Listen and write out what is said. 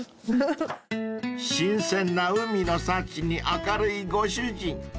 ［新鮮な海の幸に明るいご主人］